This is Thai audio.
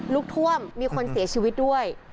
ลุกท่วมมีคนเสียชีวิตด้วย